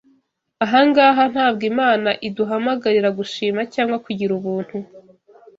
Ahangaha ntabwo Imana iduhamagarira gushima cyangwa kugira ubuntu